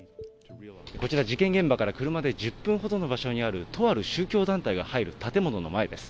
こちら、事件現場から車で１０分ほどの場所にあるとある宗教団体が入る建物の前です。